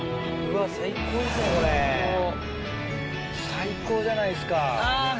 最高じゃないっすか。